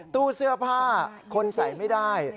ตู้เสื้อผ้าคนใส่ไม่ได้